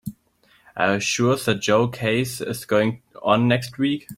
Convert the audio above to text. Are you sure that Joe case is going on next week?